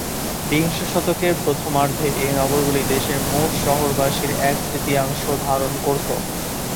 বিশ শতকের প্রথমার্ধে এ নগরগুলি দেশের মোট শহরবাসীর এক-তৃতীয়াংশ ধারণ করত।